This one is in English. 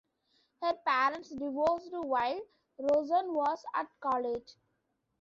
Her parents divorced while Rosen was at college.